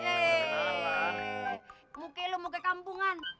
yeee mukilu mukil kampungan